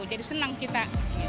jadi senang kita